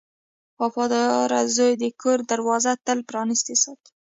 • وفادار زوی د کور دروازه تل پرانستې ساتي.